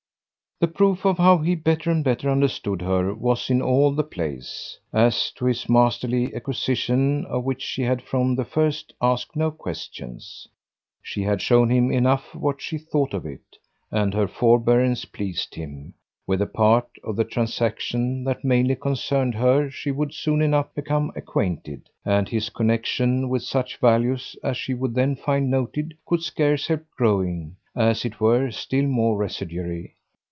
The proof of how he better and better understood her was in all the place; as to his masterly acquisition of which she had from the first asked no questions. She had shown him enough what she thought of it, and her forbearance pleased him; with the part of the transaction that mainly concerned her she would soon enough become acquainted, and his connexion with such values as she would then find noted could scarce help growing, as it were, still more residuary.